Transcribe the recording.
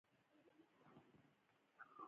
د کونړ په دانګام کې د کرومایټ نښې شته.